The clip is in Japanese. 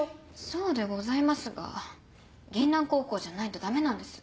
そうでございますが銀杏高校じゃないとダメなんです。